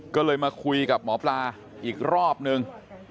ก็เลยมาคุยกับหมอปลาอีกรอบนึง